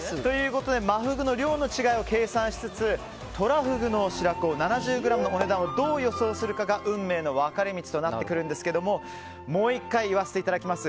真フグの量の違いを計算しつつトラフグの白子７０ｇのお値段をどう予想するかが運命の分かれ道となってくるんですがもう１回言わせていただきます。